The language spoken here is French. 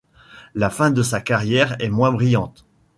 La fin de sa carrière est moins brillante.